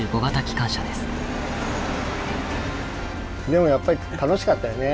でもやっぱり楽しかったよね。